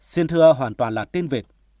xin thưa hoàn toàn là tin việt